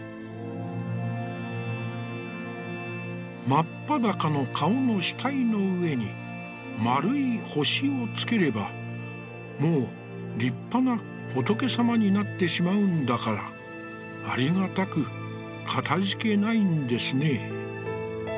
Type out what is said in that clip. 「マッパダカの顔の額の上に丸い星をつければ、もう立派な仏様になって仕舞うんだから、ありがたく、忝いんですね」。